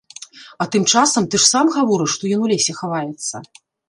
А тым часам, ты ж сам гаворыш, што ён у лесе хаваецца!